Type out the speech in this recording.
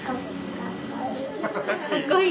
かっこいい？